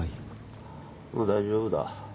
もう大丈夫だ。